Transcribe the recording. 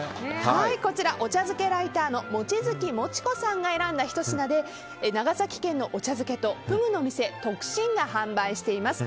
こちらはお茶漬けライターのもちづきもちこさんが選んだひと品で長崎県のお茶漬けとフグの店、徳心が販売しています。